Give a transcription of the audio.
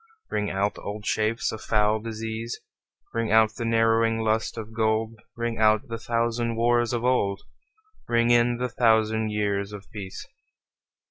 Ring out old shapes of foul disease, Ring out the narrowing lust of gold; Ring out the thousand wars of old, Ring in the thousand years of peace.